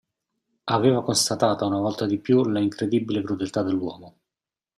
Aveva constatata una volta di più la incredibile crudeltà dell'uomo.